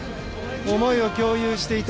思いを共有していた。